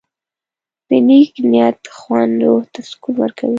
د نیک نیت خوند روح ته سکون ورکوي.